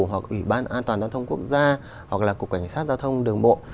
hoặc ủy ban an toàn giao thông quốc gia hoặc là cục cảnh sát giao thông đường bộ